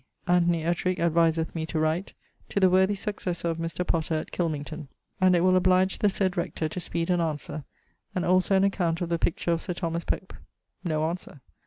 Anthony Ettrick adviseth me to write 'To the worthy successor of Mr. Potter at Kilmington,' and it will oblige the said rector to speed an answer, and also an account of the picture of Sir Thomas Pope No answer!